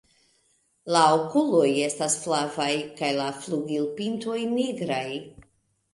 La okuloj estas flavaj kaj la flugilpintoj nigraj.